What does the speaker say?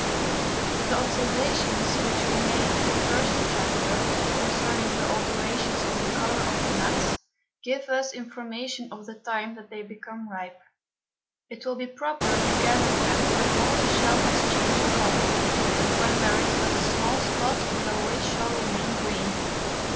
The Observations which we made in the first Chapter, concerning the Alterations of the Colour of the Nuts, give us information of the time that they become ripe. It will be proper to gather them when all the Shell has changed Colour, and when there is but a small Spot below which shall remain green.